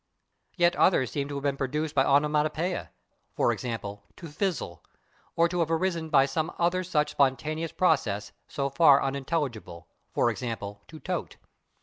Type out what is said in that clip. Yet others seem to have been produced by onomatopoeia, /e. g./, /to fizzle/, or to have arisen by some other such spontaneous process, so far unintelligible, /e. g./, /to tote